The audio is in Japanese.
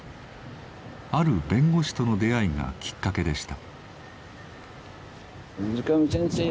ある弁護士との出会いがきっかけでした。